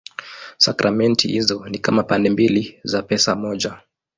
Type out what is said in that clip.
Sakramenti hizo ni kama pande mbili za pesa moja.